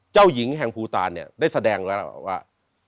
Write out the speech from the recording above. เจ้าหญิงแห่งภูตานเนี่ยได้แสดงแล้วว่า